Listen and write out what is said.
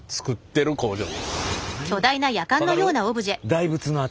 大仏の頭？